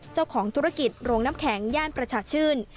เจ้าของธุรกิจโรงน้ำแข็งย่านประชาชื่น